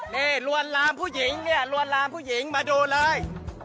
นี่รวนรามผู้หญิงรวนรามผู้หญิงมาดูเลย